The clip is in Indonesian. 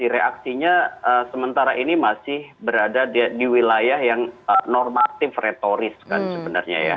reaksinya sementara ini masih berada di wilayah yang normatif retoris kan sebenarnya ya